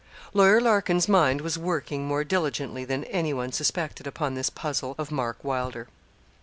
Lawyer Larkin's mind was working more diligently than anyone suspected upon this puzzle of Mark Wylder.